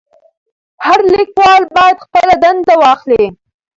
هر لیکوال باید خپله ونډه واخلي.